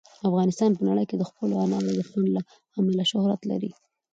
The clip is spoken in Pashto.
افغانستان په نړۍ کې د خپلو انارو د خوند له امله شهرت لري.